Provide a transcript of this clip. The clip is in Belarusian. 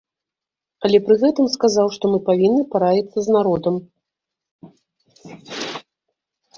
Але пры гэтым сказаў, што мы павінны параіцца з народам.